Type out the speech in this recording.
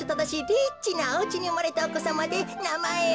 リッチなおうちにうまれたおこさまでなまえを。